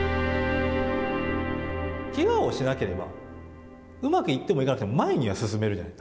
けがをしなければ、うまくいってもいかなくても前には進めるじゃない。